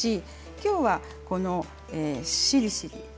きょうはしりしり